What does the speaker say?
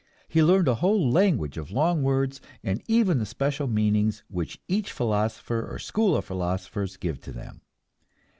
He learned a whole language of long words, and even the special meanings which each philosopher or school of philosophers give to them.